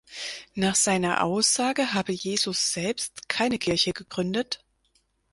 Nach seiner Aussage habe „Jesus selbst keine Kirche gegründet.